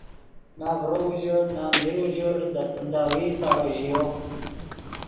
نہ ڤرو اوژڑ نہ میر اوژڑ دے تنداوی سارو ژیو